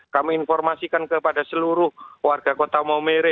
kami informasikan kepada seluruh warga kota maumere